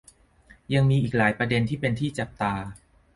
ยังมีอีกหลายประเด็นที่เป็นที่จับตา